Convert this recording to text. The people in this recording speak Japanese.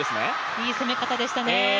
いい攻め方でしたね。